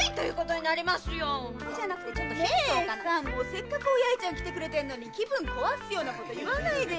せっかくお八重ちゃん来てるのに気分壊すようなこと言わないで！